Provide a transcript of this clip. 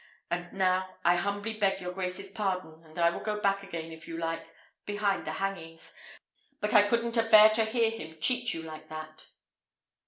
And now, I humbly beg your grace's pardon, and will go back again, if you like, behind the hangings; but I couldn't abear to hear him cheat you like that."